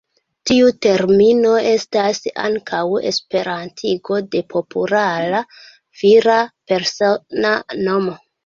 Tiu termino estas ankaŭ esperantigo de populara vira persona nomo.